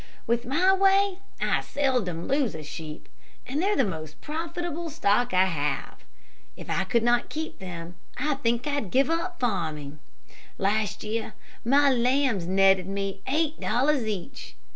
"With my way I seldom lose a sheep, and they're the most profitable stock I have. If I could not keep them, I think I'd give up farming. Last year my lambs netted me eight dollars each.